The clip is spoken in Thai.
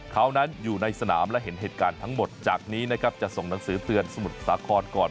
เขานั้นอยู่ในสนามและเห็นเหตุการณ์ทั้งหมดจากนี้นะครับจะส่งหนังสือเตือนสมุทรสาครก่อน